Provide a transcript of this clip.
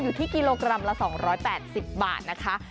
อยู่ที่กิโลกรัมละ๒๘๐บาทนะคะ